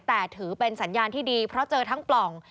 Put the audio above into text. แต่ถือเป็นสัญญาณที่ดีเพราะเจอทั้งปล่อง